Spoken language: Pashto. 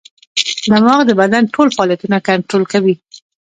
دماغ د بدن ټول فعالیتونه کنټرول کوي.